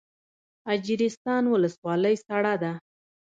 اجرستان ولسوالۍ سړه ده؟